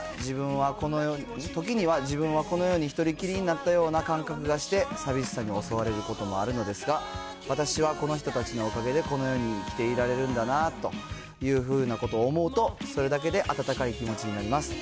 時には自分はこの世に１人きりになったような感覚がして、寂しさに襲われることもあるのですが、私はこの人たちのおかげでこの世に生きていられるんだなというふうなことを思うと、それだけで温かい気持ちになります。